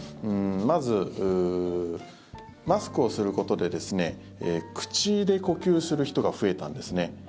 まず、マスクをすることで口で呼吸する人が増えたんです。